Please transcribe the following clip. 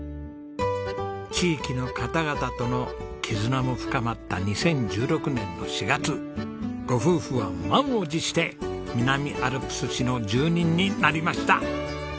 地域の方々との絆も深まった２０１６年の４月ご夫婦は満を持して南アルプス市の住人になりました。